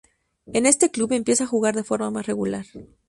En este club empieza a jugar de forma más regular.